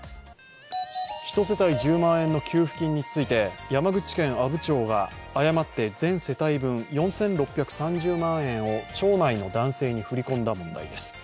１世帯１０万円の給付金について山口県阿武町が誤って全世帯分４６３０万円を町内の男性に振り込んだ問題です。